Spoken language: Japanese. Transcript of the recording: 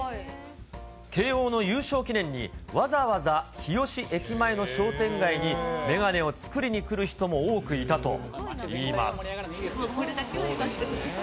慶応の優勝記念にわざわざ日吉駅前の商店街に眼鏡を作りに来これだけは言わせてください。